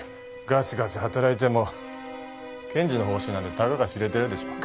ガツガツ働いても検事の報酬なんて高が知れてるでしょ。